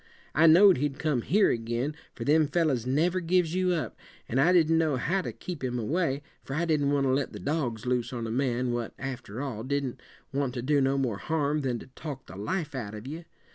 I know'd he'd come here ag'in, for them fellers never gives you up; and I didn't know how to keep him away, for I didn't want to let the dogs loose on a man what, after all, didn't want to do no more harm than to talk the life out of you.